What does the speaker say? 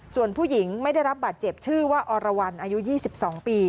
ส่วนผู้หญิงไม่ได้รับบาดเจ็บชื่อว่าอรวรรณอายุ๒๒ปี